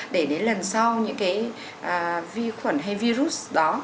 để đến lần sau những cái vi khuẩn hay virus đó